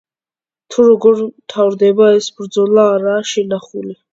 თუ როგორ მთავრდება ეს ბრძოლა არაა შემონახული.